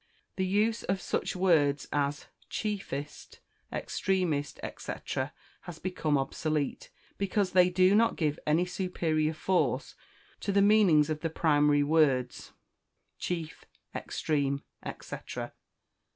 The use of such words as chiefest, extremest, &c., has become obsolete, because they do not give any superior force to the meanings of the primary words, chief, extreme, &c. 34.